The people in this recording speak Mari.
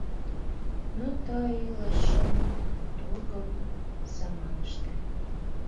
Но ты илышын тургым саманыште